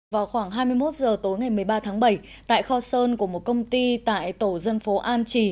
vào khoảng hai mươi một h tối ngày một mươi ba tháng bảy tại kho sơn của một công ty tại tổ dân phố an trì